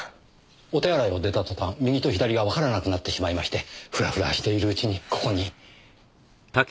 お手洗いを出た途端右と左がわからなくなってしまいましてフラフラしているうちにここに。